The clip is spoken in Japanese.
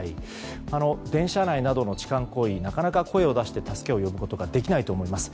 電車内などの痴漢行為でなかなか声を出して助けを呼ぶことができないと思います。